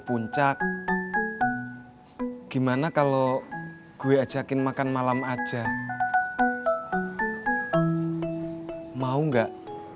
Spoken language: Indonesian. puncak gimana kalau gue ajakin makan malam aja mau enggak